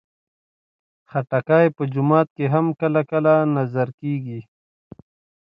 خټکی په جومات کې هم کله کله نذر کېږي.